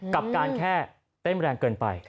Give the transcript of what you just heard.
กับการแค่เต้นแรงเกินไป